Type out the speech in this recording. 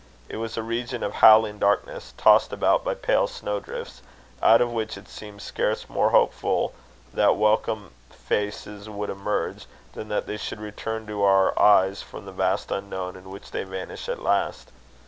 It was a region of howling darkness, tossed about by pale snow drifts; out of which it seemed scarce more hopeful that welcome faces would emerge, than that they should return to our eyes from the vast unknown in which they vanish at last.